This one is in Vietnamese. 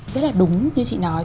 rất là đúng như chị nói